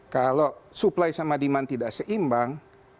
kalau supply sama demand tidak seimbang